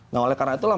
nah oleh karena itulah